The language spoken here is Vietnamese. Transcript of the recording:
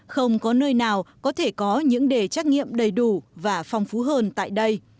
không có nơi nào có thể có những đề trắc nghiệm đầy đủ và phong phú hơn tại đây